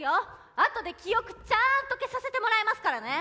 あとで記憶ちゃんと消させてもらいますからね。